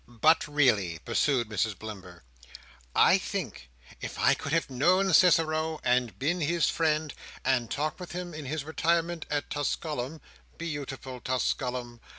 "But really," pursued Mrs Blimber, "I think if I could have known Cicero, and been his friend, and talked with him in his retirement at Tusculum (beau ti ful Tusculum!)